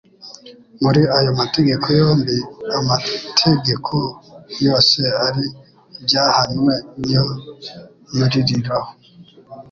«Muri ayo mategeko yombi, amategeko yose ari ibyahannwe ni yo yuririraho. »